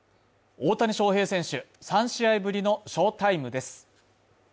大谷翔平選手３試合ぶりの翔タイムです。